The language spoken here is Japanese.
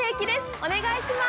お願いします。